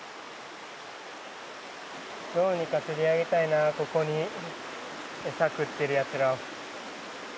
どうにか釣り上げたいなここにエサ食ってるやつらを。